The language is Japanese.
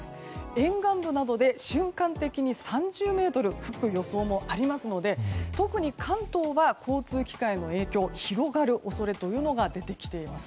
沿岸部などで瞬間的に３０メートル吹く予想もありますので特に関東は交通機関への影響が広がる恐れというのが出てきています。